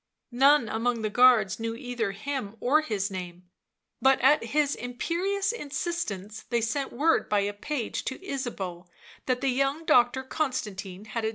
None among the guards knew either him or his name, but at his imperious insistence, they sent word by a page to Ysabeau that the young doctor Constantine had a